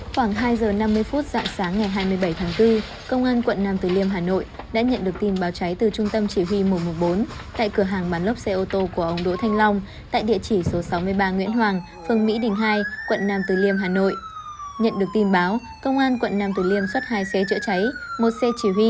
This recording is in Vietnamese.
các bạn hãy đăng ký kênh để ủng hộ kênh của chúng mình nhé